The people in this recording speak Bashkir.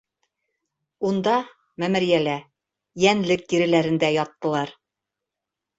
Унда, мәмерйәлә, йәнлек тиреләрендә яттылар.